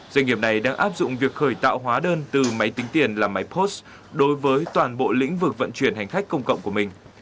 doanh nghiệp này đang áp dụng việc khởi tạo hóa đơn từ máy tính tiền làm máy post đối với toàn bộ lĩnh vực vận chuyển hành khách công cộng của mình